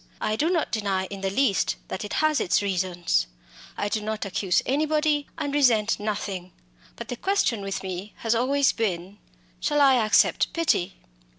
I do not deny in the least that it has its reasons. I do not accuse anybody, and resent nothing. But the question with me has always been, Shall I accept pity?